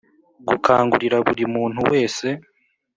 Gukangurira buri muntu wese